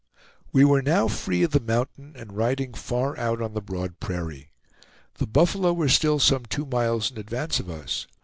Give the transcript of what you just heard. We were now free of the mountain and riding far out on the broad prairie. The buffalo were still some two miles in advance of us.